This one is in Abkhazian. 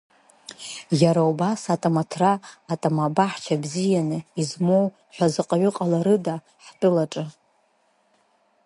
Иара убас атамаҭра атама баҳча бзианы измоу ҳәа заҟаҩ ҟаларыда ҳтәылаҿы?